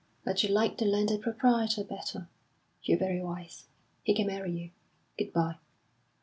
"But you like the landed proprietor better. You're very wise. He can marry you. Good bye!"